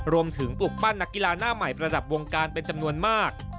ปลุกปั้นนักกีฬาหน้าใหม่ประดับวงการเป็นจำนวนมาก